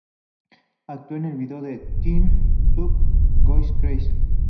Actuó en el video de Teen Top "Going Crazy".